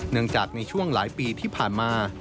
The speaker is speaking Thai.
เนื่องจากในช่วงหลายปีที่ผ่านมา